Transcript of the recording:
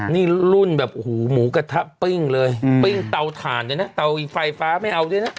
นี่รุ่นแบบโอ้โหหมูกระทะปิ้งเลยปิ้งเตาถ่านด้วยนะเตาไฟฟ้าไม่เอาด้วยนะ